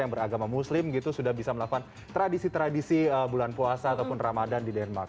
termasuk juga warga negara indonesia yang beragama muslim sudah bisa melakukan tradisi tradisi bulan puasa ataupun ramadhan di denmark